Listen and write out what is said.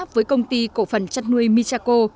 với công ty cổ phần chăn nuôi michaco